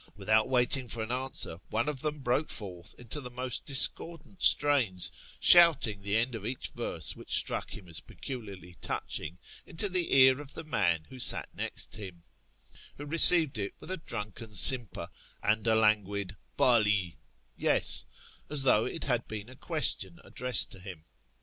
Without waiting for an answer, one of them broke forth into the most discordant strains, shouting the end of each verse which struck him as peculiarly touching into the ear of the man who sat next him, who received it with a drunken simper and a languid " Bali " ("Yes"), as though it had been a question addressed to him.